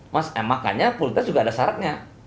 makanya pool test juga ada syaratnya